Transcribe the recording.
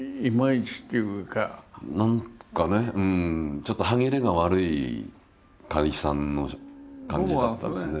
ちょっと歯切れが悪い解散の感じだったですね。